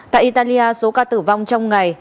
tại italia số ca tử vong trong ngày